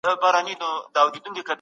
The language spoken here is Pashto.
د پوهې ارزښت تل یادېږي.